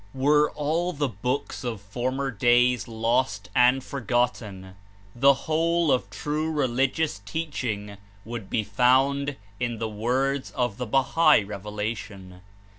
Were all the books of former days lost and for gotten, the whole of true religious teaching would be found in the Words of the Bahai Revelation.